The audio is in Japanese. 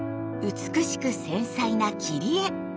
美しく繊細な切り絵！